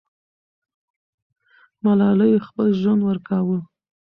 ملالۍ خپل ژوند ورکاوه.